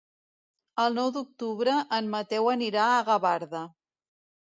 El nou d'octubre en Mateu anirà a Gavarda.